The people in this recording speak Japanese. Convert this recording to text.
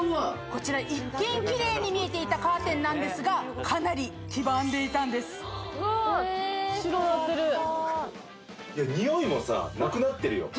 こちら一見キレイに見えていたカーテンなんですがかなり黄ばんでいたんですわあ白なってる